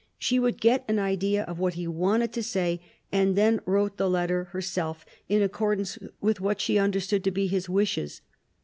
She would get an idea of what he wanted to say, and then wrote the letter herself in accordance with what she understood to be his wishes.